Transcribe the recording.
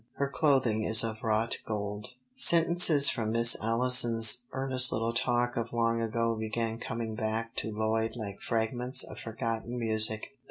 Her clothing is of wrought gold._'" Sentences from Miss Allison's earnest little talk of long ago began coming back to Lloyd like fragments of forgotten music.